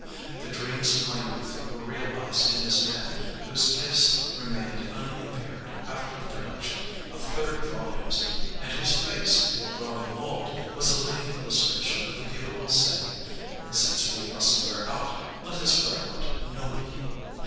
The dreams of my youth were realized in this man whose gifts remained unimpaired after the production of thirty volumes and whose face, growing old, was a living illustration of the beautiful saying: "Since we must wear out, let us wear out nobly."